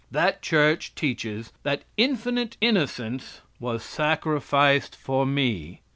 That Church teaches that infinite innocence was sacrificed for me!